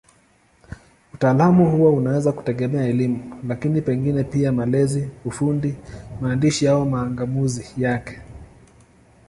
Utaalamu huo unaweza kutegemea elimu, lakini pengine pia malezi, ufundi, maandishi au mang'amuzi yake.